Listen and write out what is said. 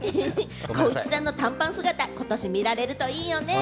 光一さんの短パン姿、ことし見られるといいよね。